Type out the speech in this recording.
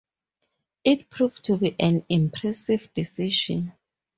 It proved to be an impressive decision.